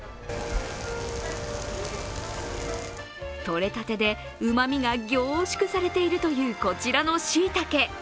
取れたてでうまみが凝縮されているという、こちらのしいたけ。